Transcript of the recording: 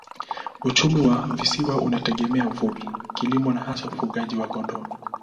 Uchumi wa visiwa unategemea uvuvi, kilimo na hasa ufugaji wa kondoo.